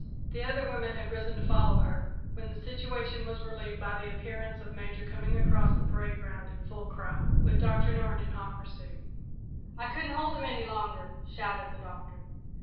The other women had risen to follow her, when the situation was relieved by the appearance of Major coming across the parade ground in full cry, with Doctor Norton in hot pursuit. "I couldn't hold him any longer!" shouted the Doctor.